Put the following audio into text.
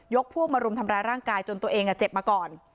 พวกมารุมทำร้ายร่างกายจนตัวเองเจ็บมาก่อน